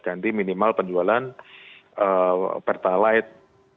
ganti minimal penjualan pertalite